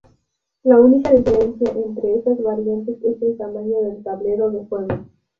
La única diferencia entre estas variantes es el tamaño del tablero de juego.